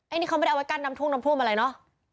ไอ้นี่เขาไม่ได้เอาไว้กันลำคลุมอะไรเนาะ